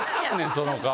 その顔。